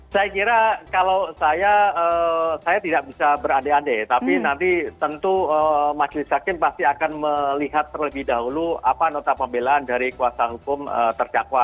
saya kira kalau saya saya tidak bisa berade ade tapi nanti tentu majelis hakim pasti akan melihat terlebih dahulu apa nota pembelaan dari kuasa hukum terdakwa